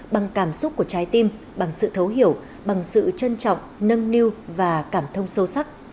bằng cảm xúc của trái tim bằng sự thấu hiểu bằng sự trân trọng nâng niu và cảm thông sâu sắc